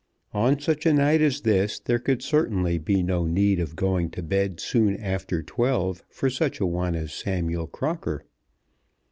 On such a night as this there could certainly be no need of going to bed soon after twelve for such a one as Samuel Crocker.